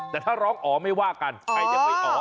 แต่ถ้าร้องอ๋อไม่ว่ากันใครยังไม่อ๋อ